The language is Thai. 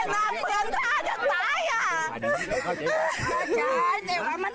นึกว่าแบบนี้ตอนนี้ก็ตาย